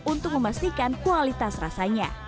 untuk memastikan kualitas rasanya